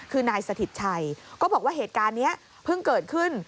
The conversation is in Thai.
คือนายสถิตชัยก็บอกว่าเหตุการณ์นี้เพิ่งเกิดขึ้น